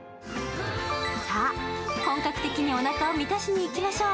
本格的におなかを満たしていきましょう。